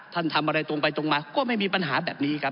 ทำอะไรตรงไปตรงมาก็ไม่มีปัญหาแบบนี้ครับ